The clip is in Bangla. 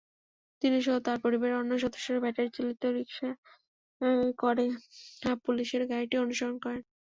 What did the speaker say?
তিনিসহ তাঁর পরিবারের অন্য সদস্যরা ব্যাটারিচালিত রিকশায় করে পুলিশের গাড়িটি অনুসরণ করেন।